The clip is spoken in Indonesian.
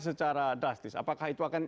secara drastis apakah itu akan